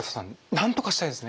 なんとかしたいですね。